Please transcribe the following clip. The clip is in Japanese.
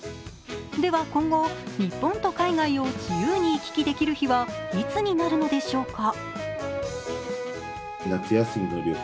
では今後、日本と海外を自由に行き来できる日はいつになるのでしょうか。